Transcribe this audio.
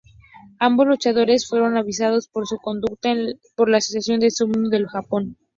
Ambos luchadores fueron avisados por su conducta por la Asociación de Sumo del Japón.